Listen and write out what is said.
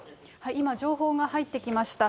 今、情報が入ってきました。